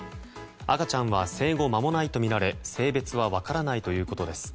赤ちゃんは生後間もないとみられ性別は分からないということです。